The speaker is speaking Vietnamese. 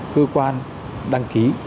cơ quan đăng ký